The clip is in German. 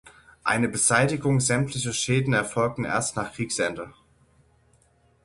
Eine Beseitigung sämtliche Schäden erfolgte erst nach Kriegsende.